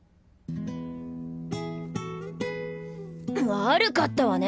悪かったわね！